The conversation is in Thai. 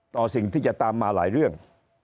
ต่อสิ่งที่จะตามมาหลายเรื่อง